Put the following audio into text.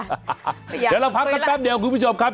เดี๋ยวเราพักกันแป๊บเดียวคุณผู้ชมครับ